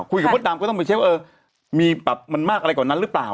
มดดำก็ต้องไปเช็คเออมีแบบมันมากอะไรกว่านั้นหรือเปล่า